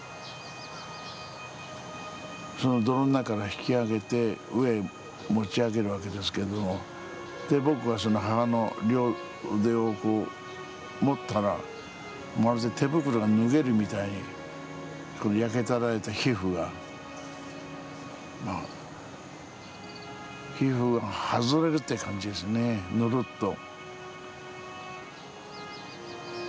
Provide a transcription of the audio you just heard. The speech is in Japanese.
その泥の中からひき上げて上へ持ち上げるわけですけどで僕はその母の両腕をこう持ったらまるで手袋が脱げるみたいに焼けただれた皮膚が皮膚が外れるって感じですねぬるっと。